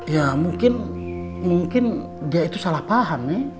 ya mungkin mungkin dia itu salah paham nih